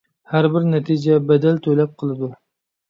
ھەربىر نەتىجە بەدەل تەلەپ قىلىدۇ.